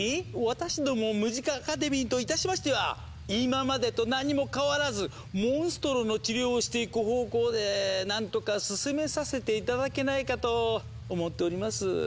私どもムジカ・アカデミーといたしましては今までと何も変わらずモンストロの治療をしていく方向でなんとか進めさせて頂けないかと思っております。